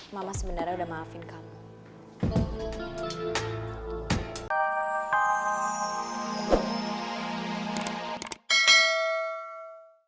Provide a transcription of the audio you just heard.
mama sebenarnya udah maafin kamu